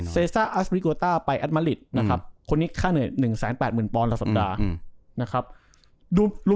เซซ่าอัสบิโกต้าไปรอัตมาริตคนนี้ค่าเหนื่อย๑๘๐๐๐๐ปลอลต่อสัปดาห์